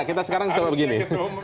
kita sekarang coba begini